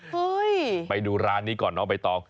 เฮ้ยไปดูร้านนี้ก่อนเนอะไปต่อ